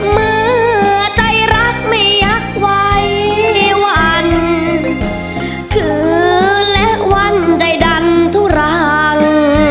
เมื่อใจรักไม่ยักษ์ไว้วันคืนและวันใดดันทุรัง